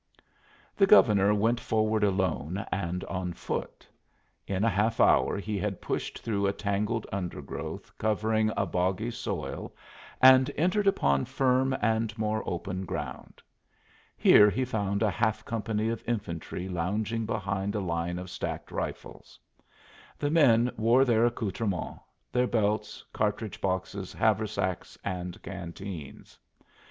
The Governor went forward alone and on foot. In a half hour he had pushed through a tangled undergrowth covering a boggy soil and entered upon firm and more open ground. Here he found a half company of infantry lounging behind a line of stacked rifles. The men wore their accoutrements their belts, cartridge boxes, haversacks and canteens.